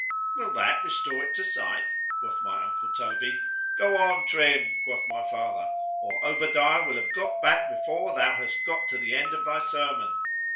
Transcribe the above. Will that restore it to sight? quoth my uncle Toby,——Go on, Trim, quoth my father, or Obadiah will have got back before thou has got to the end of thy sermon.